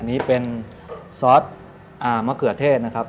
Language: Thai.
อันนี้เป็นซอสมะเขือเทศนะครับ